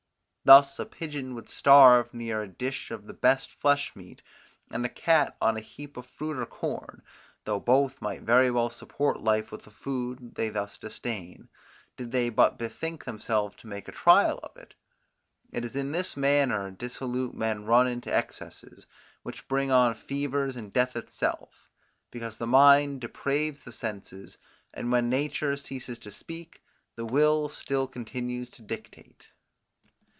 Thus a pigeon would starve near a dish of the best flesh meat, and a cat on a heap of fruit or corn, though both might very well support life with the food which they thus disdain, did they but bethink themselves to make a trial of it: it is in this manner dissolute men run into excesses, which bring on fevers and death itself; because the mind depraves the senses, and when nature ceases to speak, the will still continues to dictate.